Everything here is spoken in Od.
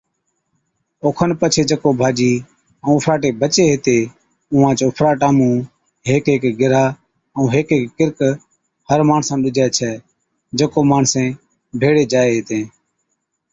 اوکن پڇي جڪو ڀاڄِي ائُون اُڦراٽي بچي ھِتي اُونھانچ اُڦراٽان مُون ھيڪ ھيڪ گرِھا ائُون ھيڪ ھيڪ ڪِرڪ ھر ماڻسا نُون ڏِجَي ڇَي (جڪو ماڻسين ڀيڙي جائي هِتين)